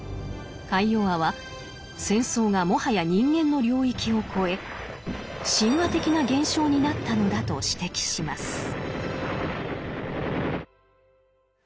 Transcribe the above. カイヨワは戦争がもはや人間の領域を超え神話的な現象になったのだと指摘します。